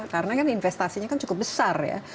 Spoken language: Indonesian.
karena kan investasinya cukup besar ya